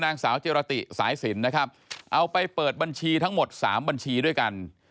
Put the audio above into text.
นางสาวเจรติสายสินนะครับเอาไปเปิดบัญชีทั้งหมด๓บัญชีด้วยกัน